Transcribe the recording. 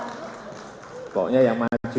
pokoknya yang maju